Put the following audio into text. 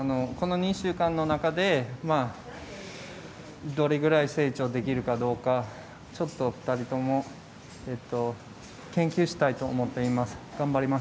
この２週間の間でどのぐらい成長できるかどうかちょっと２人とも研究したいと思っています。